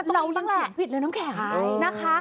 เขียนผิดไม่ต้องแขกหายนะคะ